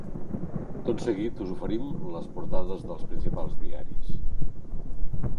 Tot seguit, us oferim les portades dels principals diaris.